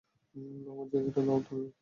আমার জায়গাটা নাও তো।